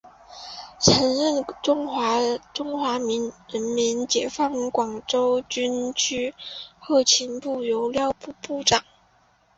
曾任中国人民解放军广州军区后勤部油料部部长。